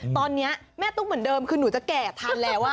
ตอนนี้แม่ตุ๊กเหมือนเดิมคือหนูจะแก่ทันแล้ว